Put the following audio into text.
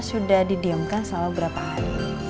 sudah didiamkan selama berapa hari